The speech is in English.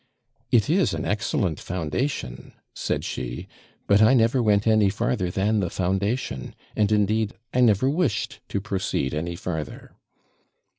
'It is an excellent foundation,' said she; 'but I never went any farther than the foundation; and, indeed, I never wished to proceed any farther.'